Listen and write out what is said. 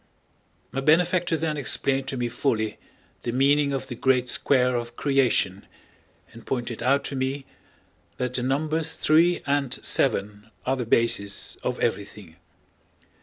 My benefactor then explained to me fully the meaning of the Great Square of creation and pointed out to me that the numbers three and seven are the basis of everything.